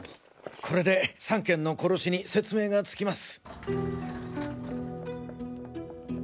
これで３件の殺しに説明がつきます。